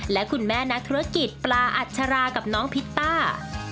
และคุณแม่นักธุรกิจปลาอัชรากับน้องพิตต้า